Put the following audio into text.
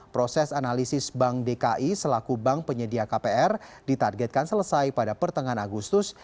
proses analisis bank dki selaku bank penyedia kpr ditargetkan selesai pada pertengahan agustus